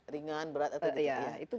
ringan berat atau gitu